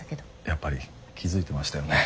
やっぱり気付いてましたよね？